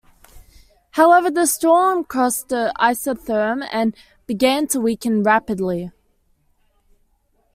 However, the storm crossed the isotherm and began to weaken rapidly.